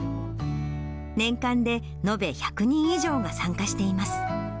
年間で延べ１００人以上が参加しています。